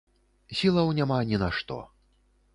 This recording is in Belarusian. Сілаў няма ні на што.